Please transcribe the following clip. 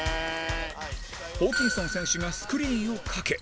ホーキンソン選手がスクリーンをかけ